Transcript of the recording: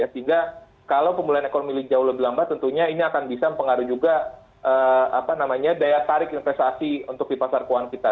sehingga kalau pemulihan ekonomi jauh lebih lambat tentunya ini akan bisa mengaruhi juga daya tarik investasi untuk di pasar keuangan kita